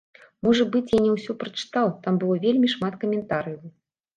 Можа быць, я не ўсё прачытаў, там было вельмі шмат каментарыяў.